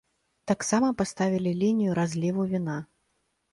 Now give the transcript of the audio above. Таксама паставілі лінію разліву віна.